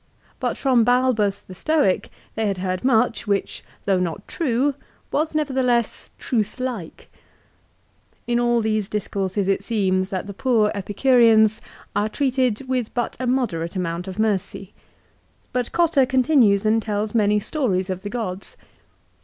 But from Balbus, the Stoic, they had heard much, which though not true, was nevertheless truthlike. In all these discourses it seems that the poor Epicureans are treated with but a moderate amount of mercy. But Cotta continues and tells many stories of the gods.